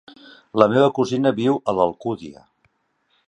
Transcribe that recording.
La meva cosina viu a l'Alcúdia.